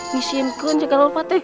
misiin aku segala rupa